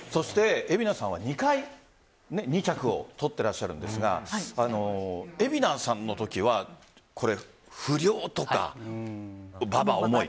蛯名さんは２回２着を取っていらっしゃるんですが蛯名さんのときは不良とか馬場、重い。